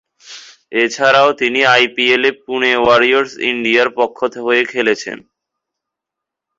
এছাড়াও তিনি আইপিএলে পুনে ওয়ারিয়র্স ইন্ডিয়ার পক্ষ হয়ে খেলছেন।